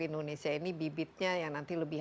indonesia ini bibitnya yang nanti lebih